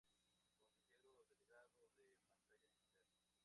Consejero Delegado de Pantalla Digital.